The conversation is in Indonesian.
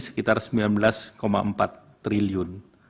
sekitar rp sembilan belas empat triliun